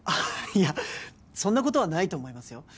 いやそんなことはないと思いますよ